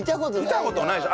見た事ないでしょ？